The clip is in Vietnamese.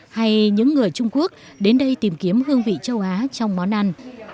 hay những người trung quốc đến đây tìm kiếm hương vị châu á trong món ăn